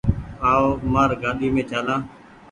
آئو مآر گآڏي مين چآلآن ۔